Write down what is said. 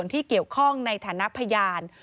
ที่เกี่ยวข้องในฐานะพยาน